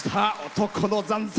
「男の残雪」。